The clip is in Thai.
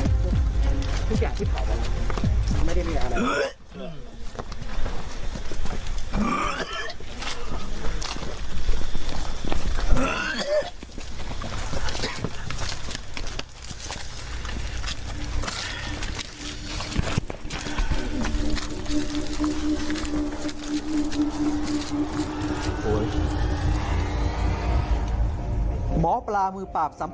หมอปลามือปาปสัมภเวษีเริ่มมีอาการเผอืดพระอมและอาเจียนออกมาหลังเดินลงไปสำรวจจุดที่เผาศพพระธรรมกร